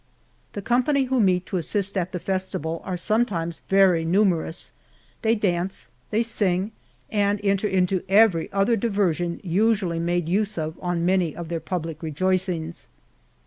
The company who meet to assist at the festival are some times very numerous: they dance, they sing, and enter into every other diversion usually made USG of on many of their public rejoicings.